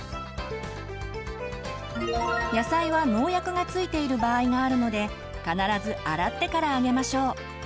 野菜は農薬がついている場合があるので必ず洗ってからあげましょう。